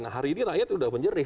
nah hari ini rakyat itu sudah menjadi